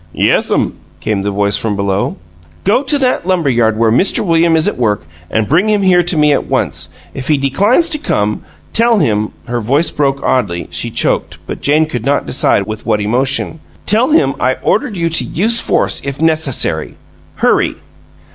"Yes'm?" came the voice from below. "Go to that lumber yard where Mr. William is at work and bring him here to me at once. If he declines to come, tell him " Her voice broke oddly; she choked, but Jane could not decide with what emotion. "Tell him tell him I ordered you to use force if necessary! Hurry!"